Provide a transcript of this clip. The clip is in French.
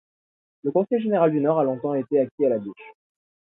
Le conseil général du Nord a longtemps été acquis à la gauche.